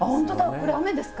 これ雨ですか？